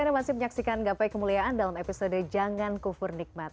anda masih menyaksikan gapai kemuliaan dalam episode jangan kufur nikmat